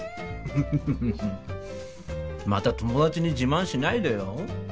また友達に自慢しないでよ